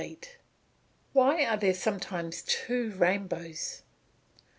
_Why are there sometimes two rainbows?